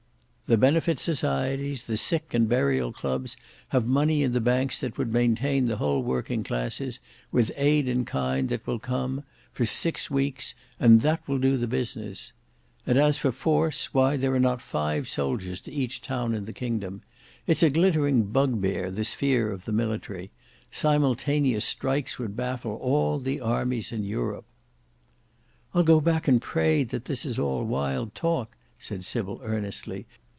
"The Benefit Societies, the Sick and Burial Clubs, have money in the banks that would maintain the whole working classes, with aid in kind that will come, for six weeks, and that will do the business. And as for force, why there are not five soldiers to each town in the kingdom. It's a glittering bugbear this fear of the military; simultaneous strikes would baffle all the armies in Europe." "I'll go back and pray that all this is wild talk," said Sybil earnestly.